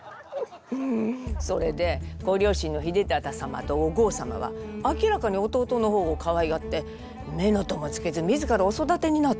それでご両親の秀忠様とお江様は明らかに弟の方をかわいがって乳母もつけず自らお育てになっていたの。